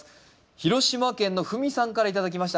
広島県のふみさんから頂きました。